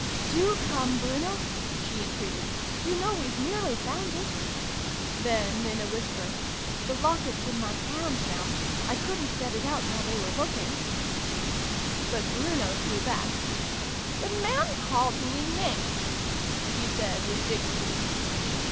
" Do come, Bruno !" she entreated. " You know r we've nearly found it !" Then, in a whisper, " The locket's in my hand, now. I couldn't get it out while they were looking !" But Bruno drew back. " The man called me names," he said with dignity.